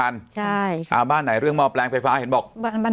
ในบ้านไหนเรื่องมอบแปรงไฟฟ้าเห็นบอก